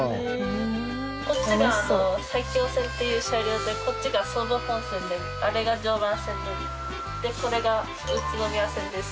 こっちが埼京線っていう車両でこっちが総武本線であれが常磐線でこれが宇都宮線です。